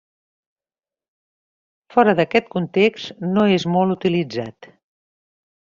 Fora d'aquest context no és molt utilitzat.